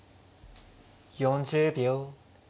４０秒。